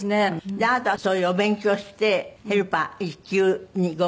であなたはそういうお勉強をしてヘルパー１級に合格なさって。